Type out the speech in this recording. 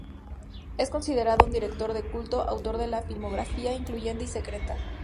Es considerado un director de culto autor de una filmografía influyente y secreta.